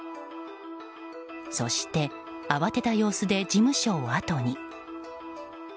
そして慌てた様子で事務所をあとに。